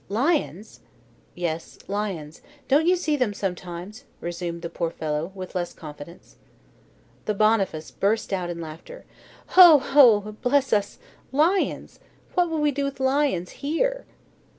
"Lions!" "Yes, lions. Don't you see them sometimes?" resumed the poor fellow, with less confidence. The Boniface burst out in laughter. "Ho, ho! bless us! lions! What would we do with lions here?"